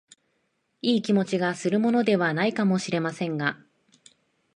いい気持ちがするものでは無いかも知れませんが、